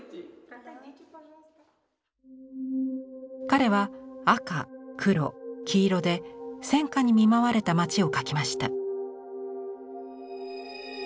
彼は赤黒黄色で戦禍に見舞われた町を描きました。